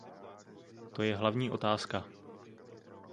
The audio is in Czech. To je hlavní otázka.